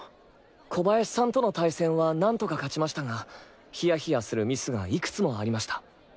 小林さんとの対戦はなんとか勝ちましたがヒヤヒヤするミスがいくつもありました。